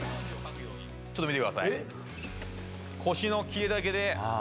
ちょっと見てください。え？